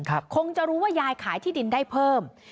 คงจะรู้ว่ายายขายที่ดินได้เพิ่ม